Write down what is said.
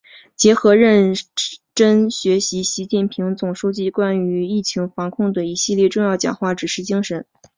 结合认真学习习近平总书记关于疫情防控的一系列重要讲话、指示精神